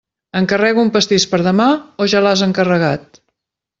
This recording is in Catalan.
Encarrego un pastís per demà o ja l'has encarregat?